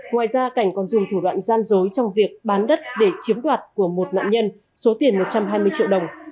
ngoài ra cảnh còn dùng thủ đoạn gian dối trong việc bán đất để chiếm đoạt của một nạn nhân số tiền một trăm hai mươi triệu đồng